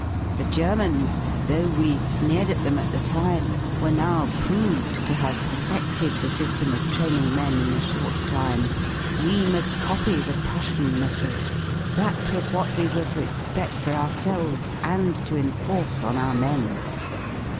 The Ger mans ^ though we sneered at them at the time, ivere now proved to have perfeded the sySlem of training men in a short time; tt;£^mafgf£ £y the P r ussian m ethod: that was what we were to expedjorourselves and to enforce on our men.